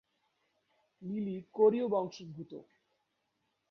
Lily কোরীয় বংশোদ্ভূত।